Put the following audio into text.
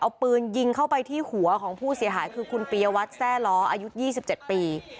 เอาปืนยิงเข้าไปที่หัวของผู้เสียหายคือคุณปียวัตรแซ่ล้ออายุ๒๗ปี